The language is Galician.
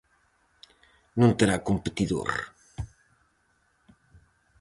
Non terá competidor.